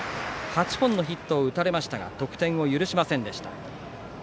８本のヒットを打たれましたが得点を許しませんでした。